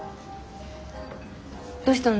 どうしたの？